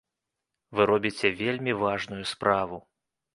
Вы робіце вельмі важную справу.